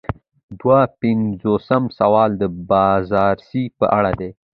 دوه پنځوسم سوال د بازرسۍ په اړه دی.